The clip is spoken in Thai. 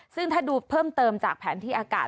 ซึ่งถ้าดูเพิ่มเติมจากแผนที่อากาศ